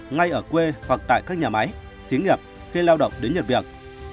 ngay ở quê hoặc tại các nhà máy xí nghiệp khi lao động đến nhật việt